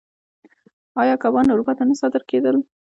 آیا کبان اروپا ته نه صادرېدل؟